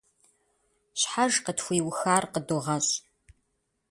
Щхьэж къытхуиухар къыдогъэщӀ.